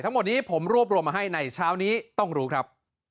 ทั้งหมดนี้ผมรวบรวมมาให้ในเช้านี้ต้องรู้ครับ